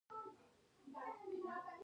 څنګه کولی شم د خپلې محبوبې زړه وګټم